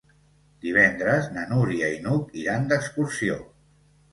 Divendres na Núria i n'Hug iran d'excursió.